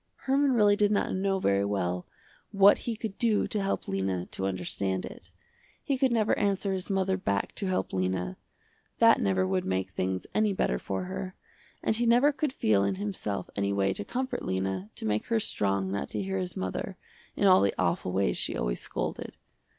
Herman really did not know very well what he could do to help Lena to understand it. He could never answer his mother back to help Lena, that never would make things any better for her, and he never could feel in himself any way to comfort Lena, to make her strong not to hear his mother, in all the awful ways she always scolded.